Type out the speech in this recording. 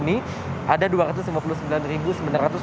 data dinas kesehatan dki jakarta mencatat bahwa dalam satu pekan terakhir ini